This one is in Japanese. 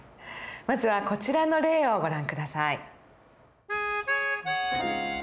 まずはこちらの例をご覧下さい。